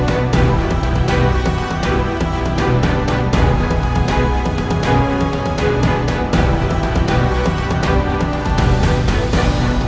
aku mohon panggil pergiolia